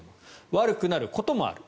悪くなることもある。